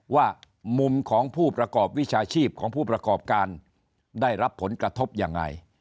ว่ามุมของผู้ประกอบวิชาชีพของผู้ประกอบการได้รับผลกระทบยังไง